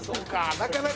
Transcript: なかなか」